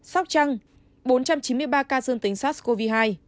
sóc trăng bốn trăm chín mươi ba ca dương tính sars cov hai